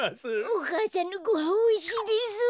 お母さんのごはんおいしいです。